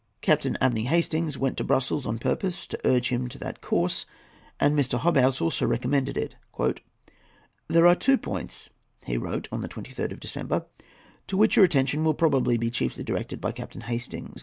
Captain Abney Hastings went to Brussels on purpose to urge him to that course, and Mr. Hobhouse also recommended it. "There are two points," he wrote on the 23rd of December, "to which your attention will probably be chiefly directed by Captain Hastings.